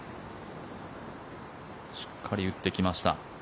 しっかり打ってきました。